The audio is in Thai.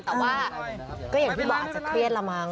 แต่ว่าก็อย่างที่บอกอาจจะเครียดละมั้ง